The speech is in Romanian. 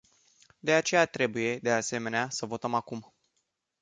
De aceea trebuie, de asemenea, să votăm acum.